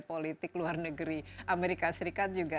politik luar negeri amerika serikat juga